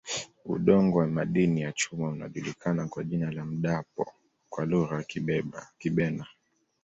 Udongo wa madini ya chuma unajulikana kwa jina la Mdapo kwa Lugha ya Kibena